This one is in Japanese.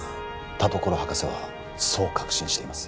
田所博士はそう確信しています